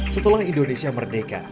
setelah indonesia merdeka